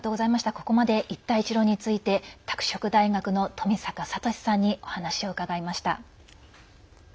ここまで一帯一路について拓殖大学の富坂聰さんにお話を伺いました。